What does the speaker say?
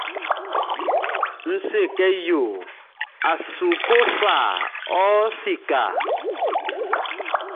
N se kɛ yo a su kɔ fa ɔ sikaʼn?